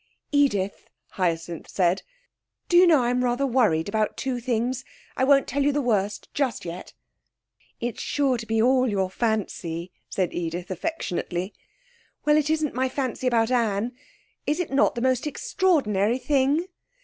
'Edith,' Hyacinth said, 'do you know I am rather worried about two things? I won't tell you the worst just yet.' 'It's sure to be all your fancy,' said Edith affectionately. 'Well, it isn't my fancy about Anne. Is it not the most extraordinary thing?